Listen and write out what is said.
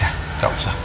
ya gak usah